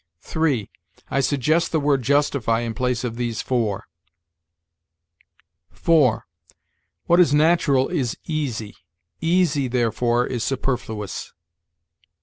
3. I suggest the word justify in place of these four. 4. What is natural is easy; easy, therefore, is superfluous.